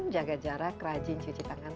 jaga jarak rajin cuci tangan